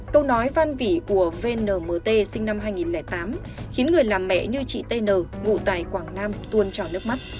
câu nói văn vỉ của vnmt sinh năm hai nghìn tám khiến người làm mẹ như chị tn ngụ tài quảng nam tuôn trò nước mắt